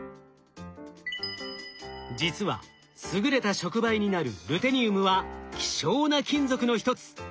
実は優れた触媒になるルテニウムは希少な金属の一つ。